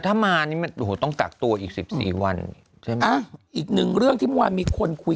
ถ้ามานี่มันต้องกักตัวอีก๑๔วันอีกนึงเรื่องที่มันมีคนคุย